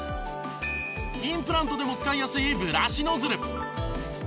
インプラントでも使いやすいブラシノズル。